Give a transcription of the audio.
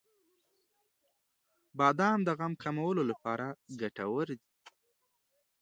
• بادام د غم کمولو لپاره ګټور دی.